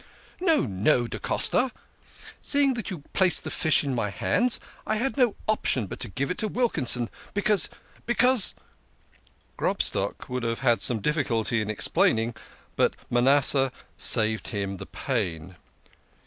" No, no, da Costa. Seeing that you placed the fish in my hands, I had no option but to give it to Wilkinson, because because " Grobstock would have had some difficulty in explaining, but Manasseh saved him the pain.